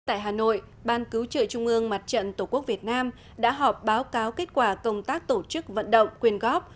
tại hà nội ban cứu trợ trung ương mặt trận tổ quốc việt nam đã họp báo cáo kết quả công tác tổ chức vận động quyền góp